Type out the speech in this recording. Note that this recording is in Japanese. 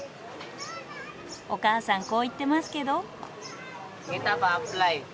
お母さんこう言ってますけど。